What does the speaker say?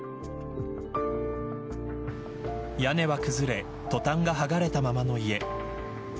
屋根は崩れトタンが、はがれたままの家。